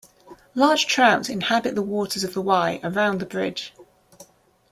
Large trout inhabit the waters of the Wye around the bridge.